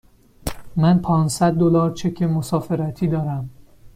من پانصد دلار چک مسافرتی دارم.